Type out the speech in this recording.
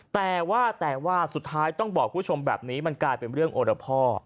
แต่ว่าแต่ว่าสุดท้ายต้องบอกคุณผู้ชมแบบนี้มันกลายเป็นเรื่องโอรพ่อ